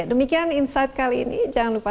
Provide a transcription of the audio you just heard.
demikian insight kali ini jangan lupa